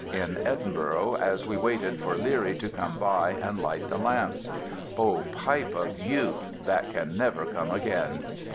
in Edinburgh, as we waited for Leerie to come by and light the lamps. Oh, pipes of youth, that can never come again!